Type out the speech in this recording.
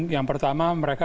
ya yang pertama mereka